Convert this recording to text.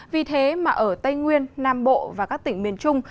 vì thế mà ở tây nguyên nam bộ và các tỉnh miền trung